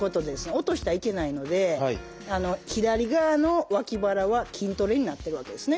落としたらいけないので左側の脇腹は筋トレになってるわけですね